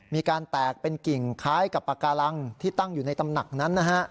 มีการแตกเป็นกิ่งคล้ายกับปากการังที่ตั้งอยู่ในตำหนักนั้นนะฮะ